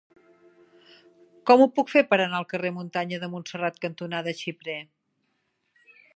Com ho puc fer per anar al carrer Muntanya de Montserrat cantonada Xiprer?